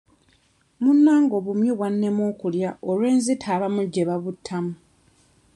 Munnange obumyu bwannema okulya olw'enzita abamu gye babuttamu.